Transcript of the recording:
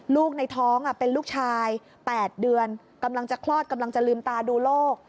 ลูกในท้องเป็นลูกชาย๘เดือนกำลังจะคลอดกำลังจะลืมตาดูโรค